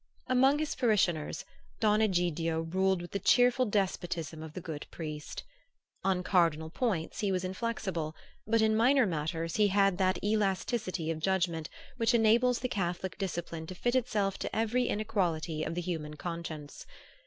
Among his parishioners Don Egidio ruled with the cheerful despotism of the good priest. On cardinal points he was inflexible, but in minor matters he had that elasticity of judgment which enables the Catholic discipline to fit itself to every inequality of the human conscience.